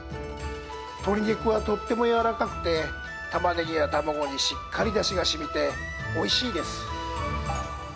鶏肉はとっても柔らかくて、たまねぎや卵にしっかりだしがしみて、おいしいです。